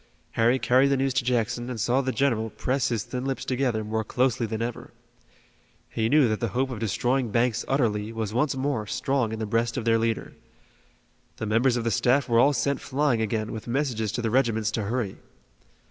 Harry carried the news to Jackson and saw the general press his thin lips together more closely than ever. He knew that the hope of destroying Banks utterly was once more strong in the breast of their leader. The members of the staff were all sent flying again with messages to the regiments to hurry.